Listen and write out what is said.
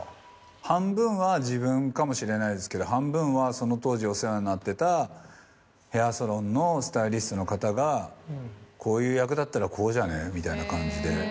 半分は自分かもしれないですけど半分はその当時お世話になってたヘアサロンのスタイリストの方が「こういう役だったらこうじゃね？」みたいな感じで。